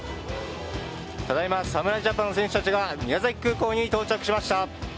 ただいま、侍ジャパンの選手たちが宮崎空港に到着しました。